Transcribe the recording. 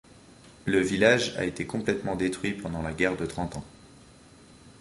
Le village a été complètement détruit pendant la guerre de Trente Ans.